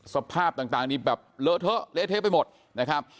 สภาพต่างนี่แบบเลอะเทอะเละเทะไปหมดนะครับ